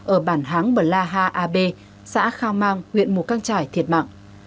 ở bản háng bờ la ha a b xã khao mang huyện mù căng trải thiệt mạng